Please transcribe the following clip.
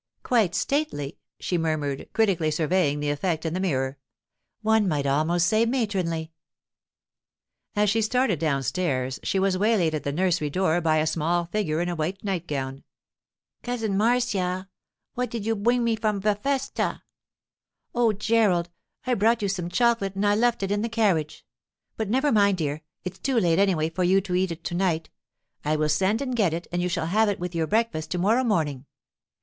'Quite stately,' she murmured, critically surveying the effect in the mirror. 'One might almost say matronly.' As she started downstairs she was waylaid at the nursery door by a small figure in a white nightgown. 'Cousin Marcia, what did you bwing me from ve festa?' 'Oh, Gerald! I brought you some chocolate and I left it in the carriage. But never mind, dear; it's too late, anyway, for you to eat it to night. I will send and get it, and you shall have it with your breakfast to morrow morning.